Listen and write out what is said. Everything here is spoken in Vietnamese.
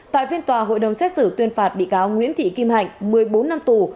tại phiên tòa hội đồng xét xử tuyên phạt bị cáo nguyễn thị kim hạnh một mươi bốn năm tù